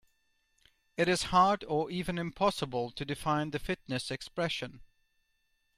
It is hard or even impossible to define the fitness expression.